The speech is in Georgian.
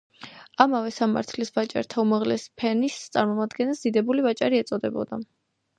ამავე სამართლის ვაჭართა უმაღლესი ფენის წარმომადგენელს დიდებული ვაჭარი ეწოდებოდა.